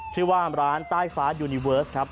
ชื่อว่าร้านใต้ฟ้ายูนิเวิร์สครับ